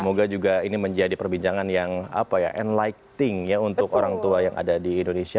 semoga juga ini menjadi perbincangan yang enlighting ya untuk orang tua yang ada di indonesia